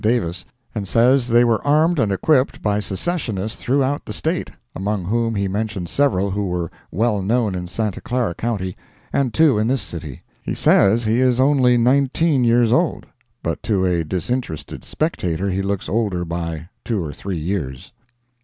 Davis, and says they were armed and equipped by Secessionists throughout the State, among whom he mentioned several who are well known in Santa Clara county, and two in this city. He says he is only nineteen years old; but to a disinterested spectator he looks older by two or three years.